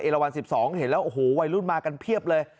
ละวัน๑๒เห็นแล้วโอ้โหวัยรุ่นมากันเพียบเลย